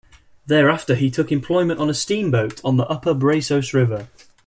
Thereafter he took employment on a steamboat on the upper Brazos River.